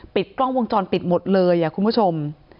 กล้องวงจรปิดหมดเลยคุณผู้ชม